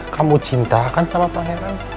kamu cintakan sama pangeran